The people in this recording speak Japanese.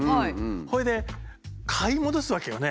それで買い戻すわけよね。